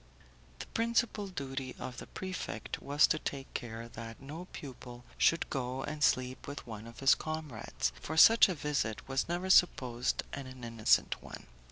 The principal duty of the prefect was to take care that no pupil should go and sleep with one of his comrades, for such a visit was never supposed an innocent one.